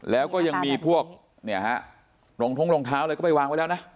แล้วก็ยังมีพวกนี่ฮะลงทรงท้าอะไรก็ไปวางไว้แล้วน่ะ